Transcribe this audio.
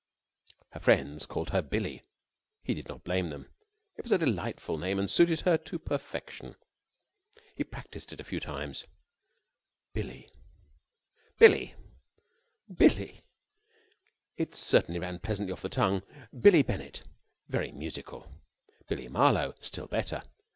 Her friends called her Billie. He did not blame them. It was a delightful name and suited her to perfection. He practised it a few times. "Billie ... Billie ... Billie...." It certainly ran pleasantly off the tongue. "Billie Bennett." Very musical. "Billie Marlowe." Still better.